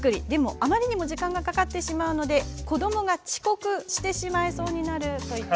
あまりにも時間がかかってしまうので子どもが遅刻してしまいそうになるといった